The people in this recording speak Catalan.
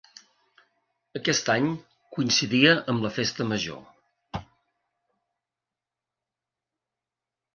Aquest any coincidia amb la festa major.